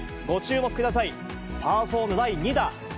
ご注目ください、パー４の第２打。